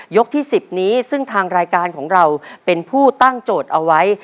ที่๑๐นี้ซึ่งทางรายการของเราเป็นผู้ตั้งโจทย์เอาไว้